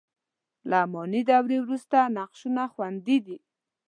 له اماني دورې وروسته نقشونه خوندي دي.